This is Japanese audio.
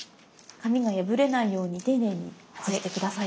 紙が破れないように丁寧に外して下さい。